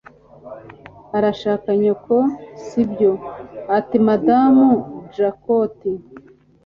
Urashaka nyoko, si byo?" ati Madamu Jacquot.